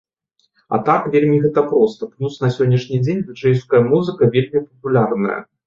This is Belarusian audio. А так вельмі гэта проста, плюс, на сённяшні дзень дыджэйская музыка вельмі папулярная.